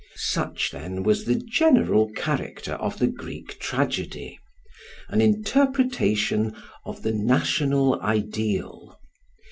Such then was the general character of the Greek tragedy an interpretation of the national ideal.